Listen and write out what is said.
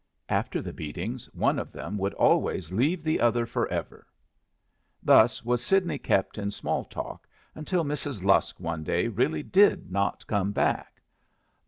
After the beatings one of them would always leave the other forever. Thus was Sidney kept in small talk until Mrs. Lusk one day really did not come back.